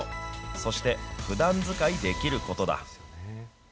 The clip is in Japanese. そしてふだん使いできることだ。